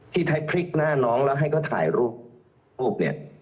ที่ไทยพริกหน้าน้องแล้วให้ก็ถ่ายรูป